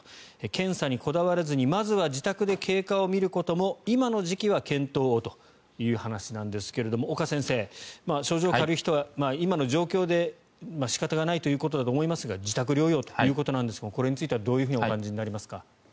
検査にこだわらずにまずは自宅で経過を見ることも今の時期は検討をという話なんですが岡先生、症状が軽い人は今の状況で仕方ないということだと思いますが自宅療養ということなんですがこれについてはどうお感じになりますか？